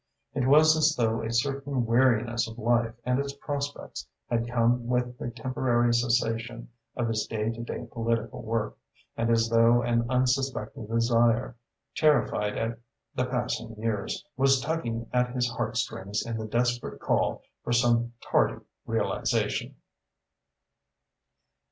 It was as though a certain weariness of life and its prospects had come with the temporary cessation of his day by day political work, and as though an unsuspected desire, terrified at the passing years, was tugging at his heartstrings in the desperate call for some tardy realisation.